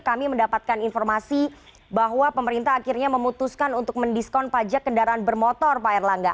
kami mendapatkan informasi bahwa pemerintah akhirnya memutuskan untuk mendiskon pajak kendaraan bermotor pak erlangga